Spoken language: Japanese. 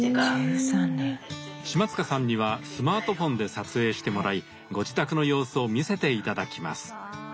島塚さんにはスマートフォンで撮影してもらいご自宅の様子を見せて頂きます。